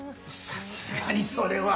さすがにそれは。